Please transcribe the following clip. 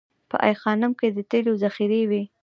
په ای خانم کې د تیلو ذخیرې وې